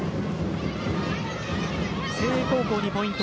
誠英高校にポイント。